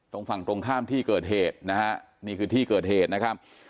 ตรงฝั่งตรงข้ามที่เกิดเหตุนะฮะนี่คือที่เกิดเหตุนะครับ